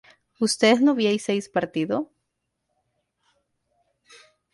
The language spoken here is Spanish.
¿Ustedes no hubieses partido?